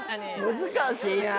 難しいなぁ！